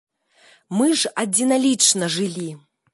Мы ж адзіналічна жылі.